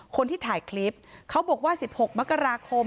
คนที่ถ่ายคลิปเขาบอกว่า๑๖มกราคม